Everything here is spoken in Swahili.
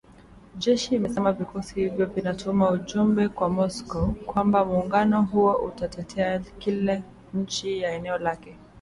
jeshi imesema vikosi hivyo vinatuma ujumbe kwa Moscow kwamba muungano huo utatetea kila nchi ya eneo lake